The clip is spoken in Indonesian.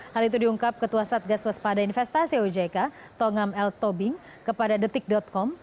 hal itu diungkap ketua satgas waspada investasi ojk tongam l tobing kepada detik com